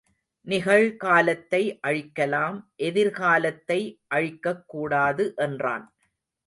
நிகழ்காலத்தை அழிக்கலாம் எதிர்காலத்தை அழிக்கக் கூடாது என்றான்.